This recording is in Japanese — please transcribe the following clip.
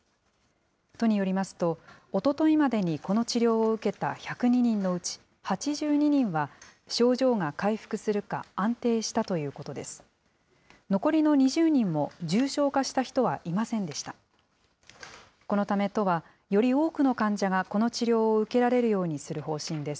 都によりますと、おとといまでに、この治療を受けた１０２人のうち８２人は、症状が回復するか、安定したということです。